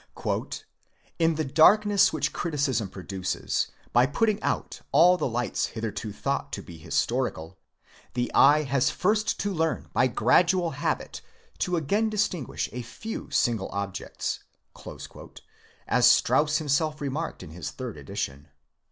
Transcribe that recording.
"In the darkness which criticism produces, by putting out all the lights hitherto thought to be historical, the eye has first to learn by gradual habit to again distinguish a few single objects," as Strauss himself remarked in his third edition.